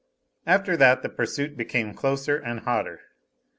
After that the pursuit became closer and hotter.